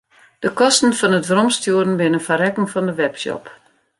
De kosten fan it weromstjoeren binne foar rekken fan de webshop.